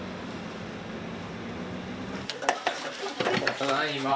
ただいま。